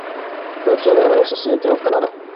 Byl členem Royal Society of Canada.